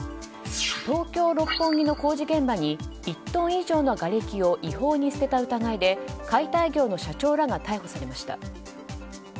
東京・六本木の工事現場に１トン以上のがれきを違法に捨てた疑いで解体業の社長らが逮捕されました。